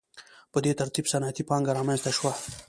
په دې ترتیب صنعتي پانګه رامنځته شوه.